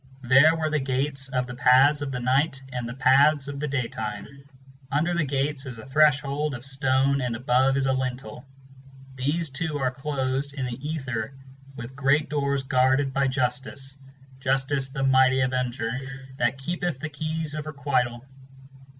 There were the gates of the paths of the Night and the paths of the Day time. Under the gates is a threshhold of stone and above is a lintel. These too are closed in the ether with great doors guarded by Justice 6 ŌĆö Justice the mighty avenger, that keepeth the keys of requital.